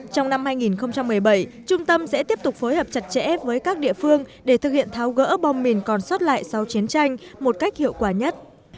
trong năm hai nghìn một mươi bảy trung tâm sẽ tiếp tục phối hợp chặt chẽ với các địa phương để thực hiện tháo gỡ bom mìn còn sót lại sau chiến tranh một cách hiệu quả nhất